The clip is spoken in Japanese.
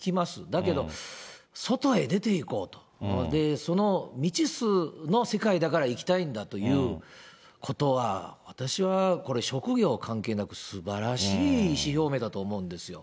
だけど、外へ出ていこうと、その未知数の世界だから行きたいんだということは、私はこれ、職業関係なく、すばらしい意思表明だと思うんですよ。